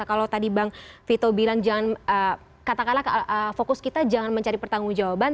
kalau tadi bang vito bilang jangan katakanlah fokus kita jangan mencari pertanggung jawaban